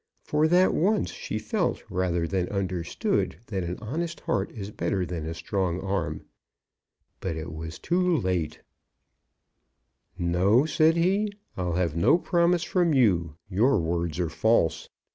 For that once she felt rather than understood that an honest heart is better than a strong arm. But it was too late. [Illustration: Robinson defies his rival.] "No," said he, "I'll have no promise from you; your words are false.